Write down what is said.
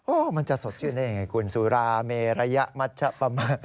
มันจะสดชื่นได้ยังไงคุณสุราเมระยะมัชปะมะ